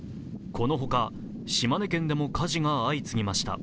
このほか、島根県でも火事が相次ぎました。